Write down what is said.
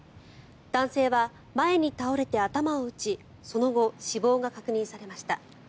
男性は前に倒れて頭を打ちその後、死亡が確認されました。